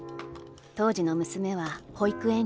当時の娘は保育園児。